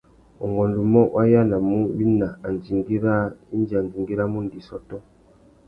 Ungôndumô, wa yānamú wina andjingüî râā indi andjingüî râ mundu i sôtô.